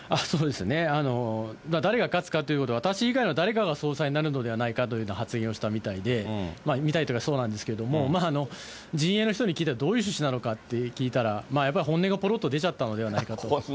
誰が勝つかということで、私以外の誰かが総裁になるのではないかという発言をしたみたいで、みたいというか、そうなんですけれども、陣営の人に聞いたら、どういう趣旨なのかって聞いたら、やっぱり本音がぽろっと出ちゃっ本音？